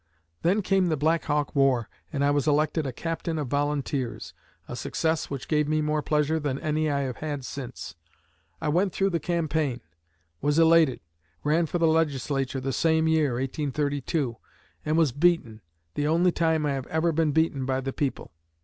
Then came the Black Hawk War, and I was elected a Captain of Volunteers a success which gave me more pleasure than any I have had since. I went through the campaign, was elated, ran for the Legislature the same year (1832), and was beaten the only time I have ever been beaten by the people.